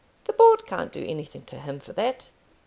"The Board can't do anything to him for that."